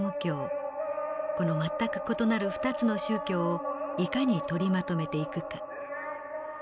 この全く異なる２つの宗教をいかに取りまとめていくか。